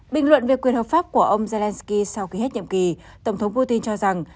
bình luận về quyền hợp pháp của ông zelensky sau khi hết nhiệm kỳ tổng thống putin cho rằng